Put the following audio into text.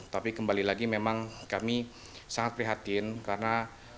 tapi kembali lagi memang kami sangat prihatin karena